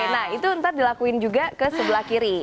nah itu ntar dilakuin juga ke sebelah kiri